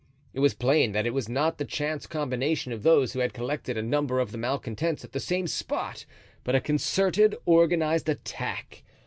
It was plain that it was not the chance combination of those who had collected a number of the malcontents at the same spot, but a concerted organized attack.